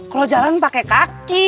kalau jalan pakai kaki